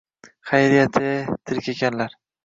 — Xayriyat-ye, tirik ekanlar!..